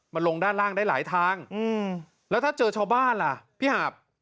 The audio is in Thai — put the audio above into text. มันลงด้านล่างได้หลายทางแล้วถ้าเจอชาวบ้านล่ะพี่หาบ